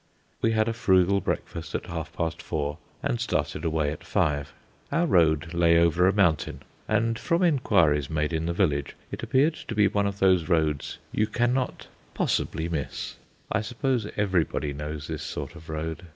We had a frugal breakfast at half past four, and started away at five. Our road lay over a mountain, and from enquiries made in the village it appeared to be one of those roads you cannot possibly miss. I suppose everybody knows this sort of road.